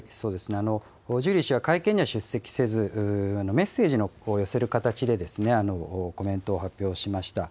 ジュリー氏は会見には出席せず、メッセージを寄せる形でコメントを発表しました。